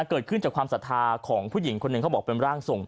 เกิดขึ้นจากความศรัทธาของผู้หญิงคนหนึ่งเขาบอกเป็นร่างทรง